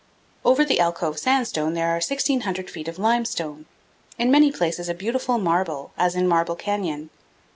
Over the alcove sandstone there are 1,600 feet of limestone, in many places a beautiful marble, as in Marble Canyon.